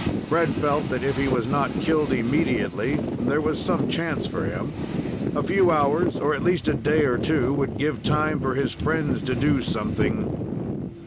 Fred felt that if he was not killed immediately there was some chance for him. A few hours, or at least a day or two, would give time for his friends to do something.